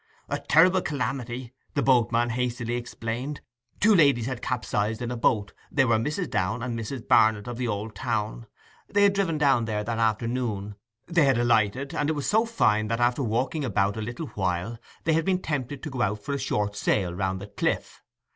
'A terrible calamity!' the boatman hastily explained. Two ladies had been capsized in a boat—they were Mrs. Downe and Mrs. Barnet of the old town; they had driven down there that afternoon—they had alighted, and it was so fine, that, after walking about a little while, they had been tempted to go out for a short sail round the cliff.